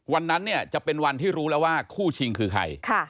วันนั้นเนี่ยจะเป็นวันที่รู้แล้วว่าคู่ชิงคือใคร